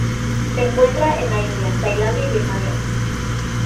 Se encuentra en la India, Tailandia y Birmania.